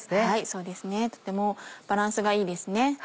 そうですねとてもバランスがいいですね。